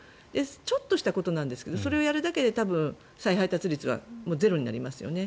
ちょっとしたことなんですけどそれをやるだけで再配達率はゼロになりますよね。